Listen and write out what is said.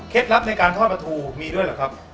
ลับในการทอดปลาทูมีด้วยเหรอครับ